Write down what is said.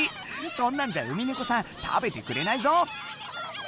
そんなんじゃウミネコさん食べてくれないぞ！